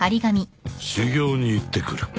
「修行に行って来る」